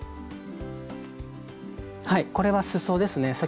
はいこれはすそですね。